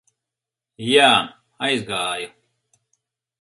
Jā, aizgāju.